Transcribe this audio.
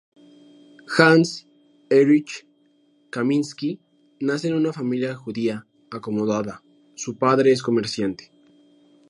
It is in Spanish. Hanns-Erich Kaminski nace en una familia judía acomodada, su padre es comerciante.